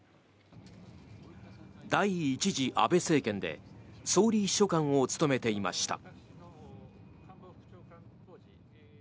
第１次安倍政権で総理秘書官を務めていました。